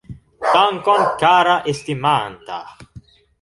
Dankon, kara estimanta